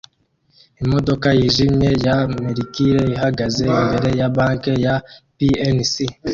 Imodoka yijimye ya Mercury ihagaze imbere ya Banki ya PNC